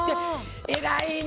偉いね！